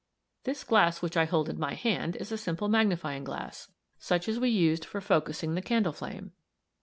This glass which I hold in my hand is a simple magnifying glass, such as we used for focusing the candle flame.